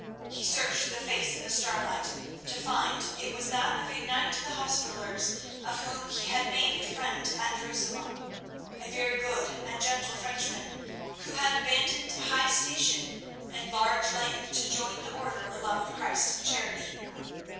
He searched the face in the starlight, to find it was that of a knight of the Hospitallers of whom he had made a friend at Jerusalem—a very good and gentle Frenchman, who had abandoned high station and large lands to join the order for the love of Christ and charity.